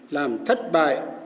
làm thất bại